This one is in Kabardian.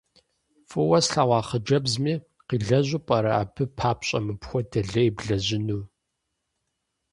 ФӀыуэ слъэгъуа хъыджэбзми къилэжьу пӀэрэ абы папщӀэ мыпхуэдэ лей блэжьыну?